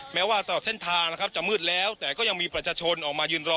แม้ว่าตลอดเส้นทางนะครับจะมืดแล้วแต่ก็ยังมีประชาชนออกมายืนรอ